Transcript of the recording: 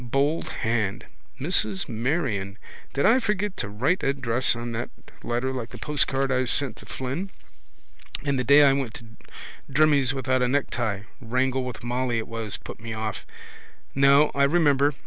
Bold hand: Mrs Marion. Did I forget to write address on that letter like the postcard I sent to Flynn? And the day I went to Drimmie's without a necktie. Wrangle with Molly it was put me off. No, I remember.